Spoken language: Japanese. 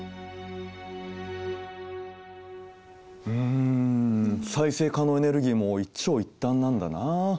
うん再生可能エネルギーも一長一短なんだなあ。